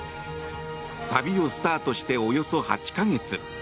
旅をスタートしておよそ８か月。